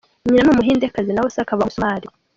Nyina ni umuhindekazi naho se akaba umusomali.